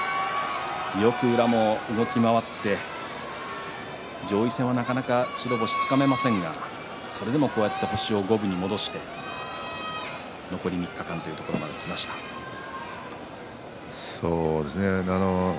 よく宇良も動いていて上位戦はなかなか白星をつかめませんがそれでもこうやって星を五分に戻し残り３日間というそうですね。